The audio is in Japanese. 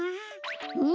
うん。